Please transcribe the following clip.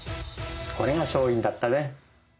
これが勝因だったね。